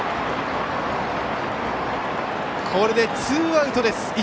これでツーアウトです。